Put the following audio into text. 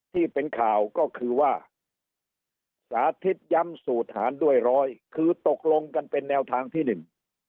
ที่เป็นข่าวก็คือว่าสาธิตย้ำสูตรหารด้วยร้อยคือตกลงกันเป็นแนวทางที่หนึ่ง